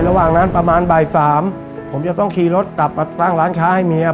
ระหว่างนั้นประมาณบ่ายสามผมจะต้องขี่รถกลับมาตั้งร้านค้าให้เมีย